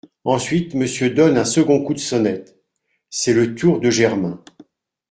Ensuite, Monsieur donne un second coup de sonnette … c’est le tour de Germain.